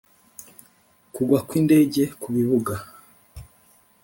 Kugwa kw indege ku bibuga